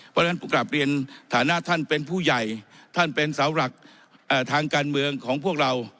เพราะฉะนั้นกลับเรียนฐานะท่านเป็นผู้ใหญ่ท่านเป็นเสาหลักทางการเมืองของพวกเรา